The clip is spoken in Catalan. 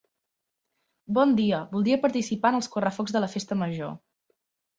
Bon dia, voldria participar en els correfocs de la festa major.